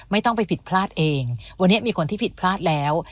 ไม่ต้องไปผิดพลาดเองวันนี้มีคนที่ผิดพลาดแล้ว